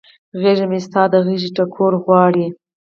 غیږه مې ستا د غیږ ټکور غواړي